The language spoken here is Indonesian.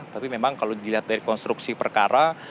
tapi memang kalau dilihat dari konstruksi perkara